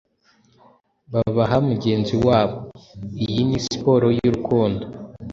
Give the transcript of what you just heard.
babaha mugenzi wabo: Iyi ni siporo y'urukundo,